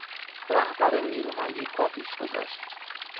رهبر نیرومندی پا پیش گذاشت.